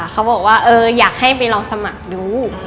เขาบอกว่าอยากให้ไปลองสมัครดู